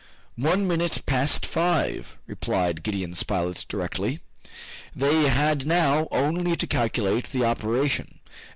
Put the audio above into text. "One minute past five," replied Gideon Spilett directly. They had now only to calculate the operation.